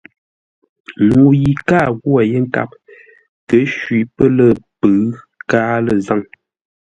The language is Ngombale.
Ŋuu yi káa ghwô yé nkâp kə̂ shwî pə́ lə̂ pʉ̌ʉ káa lə̂ zâŋ.